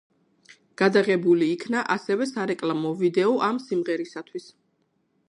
გადაღებული იქნა ასევე სარეკლამო ვიდეო ამ სიმღერისათვის.